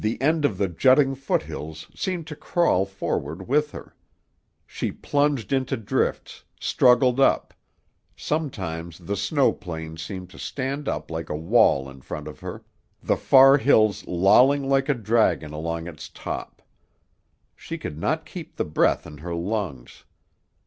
The end of the jutting foothills seemed to crawl forward with her. She plunged into drifts, struggled up; sometimes the snow plane seemed to stand up like a wall in front of her, the far hills lolling like a dragon along its top. She could not keep the breath in her lungs.